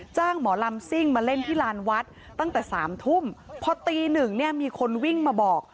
หมอลำซิ่งมาเล่นที่ลานวัดตั้งแต่สามทุ่มพอตีหนึ่งเนี่ยมีคนวิ่งมาบอก